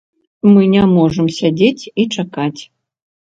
Мы не можам сядзець і чакаць.